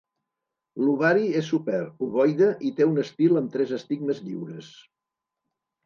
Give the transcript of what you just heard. L'ovari és super, ovoide i té un estil amb tres estigmes lliures.